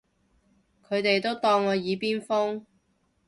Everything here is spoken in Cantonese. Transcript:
佢哋都當我耳邊風